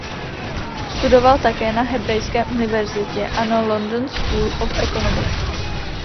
Studoval také na Hebrejské univerzitě a na London School of Economics.